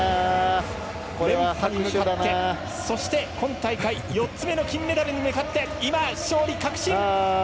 連覇に向かってそして、今大会４つ目の金メダルに向かって勝利確信！